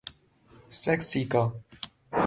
سکسیکا